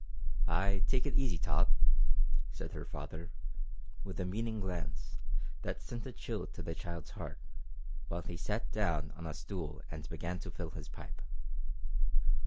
"Ay, take it easy, Tot," said her father, with a meaning glance, that sent a chill to the child's heart, while he sat down on a stool and began to fill his pipe.